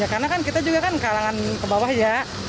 karena kan kita juga kan kalangan ke bawah ya